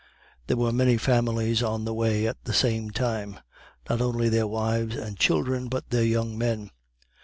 There were many families on the way at the same time not only their wives and children, but their young men.